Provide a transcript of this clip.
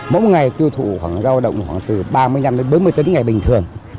mỗi ngày tiêu thụ khoảng ba mươi năm bốn mươi tấn ngày bình thường